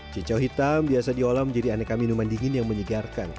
cincau hitam biasa diolah menjadi aneka minuman dingin yang menyegarkan